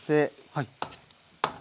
はい。